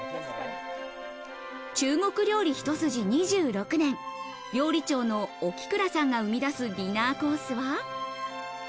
中国料理一筋２６年、料理長の沖倉さんが生み出すディナーコースは。